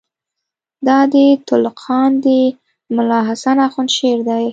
دا د تُلُقان د ملاحسن آخوند شعر دئ.